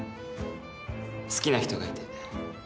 好きな人がいて。